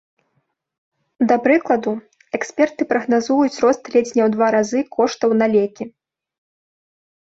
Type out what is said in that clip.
Да прыкладу, эксперты прагназуюць рост ледзь не ў два разы коштаў на лекі.